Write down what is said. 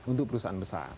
untuk perusahaan besar